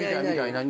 何？